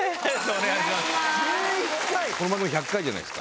お願いします。